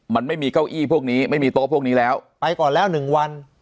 มันไม่มีเก้าอี้พวกนี้ไม่มีโต๊ะพวกนี้แล้วไปก่อนแล้วหนึ่งวัน